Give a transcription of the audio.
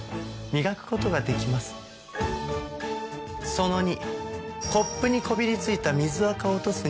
その２。